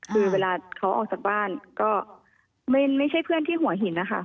คือเวลาเขาออกจากบ้านก็ไม่ใช่เพื่อนที่หัวหินนะคะ